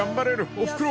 おふくろ